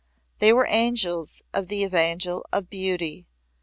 They were Angels of the Evangel of beauty.